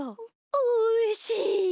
おいしい。